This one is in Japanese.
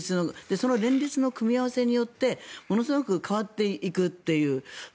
その連立の組み合わせによってものすごく変わっていくという。